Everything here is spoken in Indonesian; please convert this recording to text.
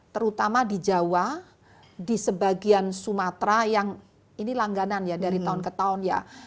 terutama di jawa di sebagian sumatera yang ini langganan ya dari tahun ke tahun ya